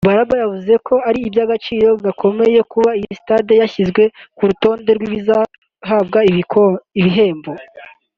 Balaba yavuze ko ari iby’agaciro gakomeye kuba iyi stade yashyizwe ku rutonde rw’izihatanira ibihembo